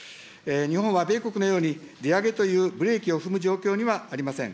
日本は米国のように利上げというブレーキを踏む状況にはありません。